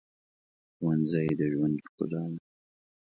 ښوونځی د ژوند ښکلا ده